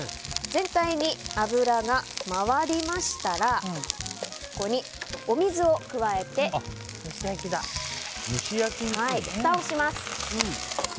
全体に油が回りましたらここにお水を加えてふたをします。